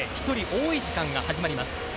１人多い時間が始まります。